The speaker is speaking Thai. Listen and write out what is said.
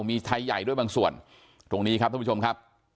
มีไทยใหญ่ด้วยบางส่วนตรงนี้ครับท่านผู้ชมครับ